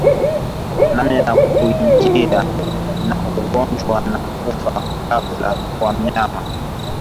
Namna ya kujikinga na ugonjwa wa kufa ghfla kwa wanyama